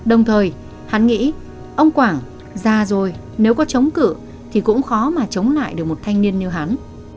ông quảng già rồi nếu có chống cử thì cũng khó mà chống lại được một thanh niên như hắn